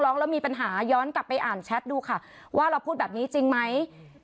ร้องแล้วมีปัญหาย้อนกลับไปอ่านแชทดูค่ะว่าเราพูดแบบนี้จริงไหม